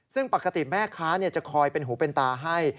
ซึ่งปกติแม่ค้าจะคอยเป็นหูเป็นตาให้